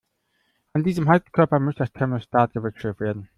An diesem Heizkörper muss das Thermostat gewechselt werden.